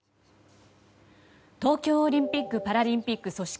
東京オリンピック・パラリンピック組織